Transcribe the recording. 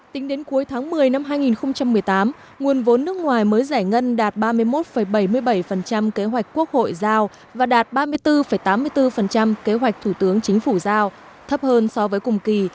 tính đến cuối tháng một mươi năm hai nghìn một mươi tám nguồn vốn nước ngoài mới giải ngân đạt ba mươi một bảy mươi bảy kế hoạch quốc hội giao và đạt ba mươi bốn tám mươi bốn kế hoạch thủ tướng chính phủ giao thấp hơn so với cùng kỳ